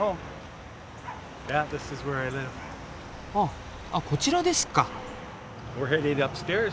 ああこちらですか。